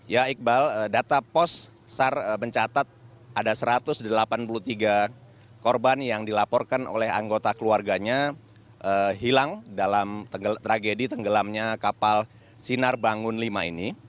ya iqbal data pos sar mencatat ada satu ratus delapan puluh tiga korban yang dilaporkan oleh anggota keluarganya hilang dalam tragedi tenggelamnya kapal sinar bangun v ini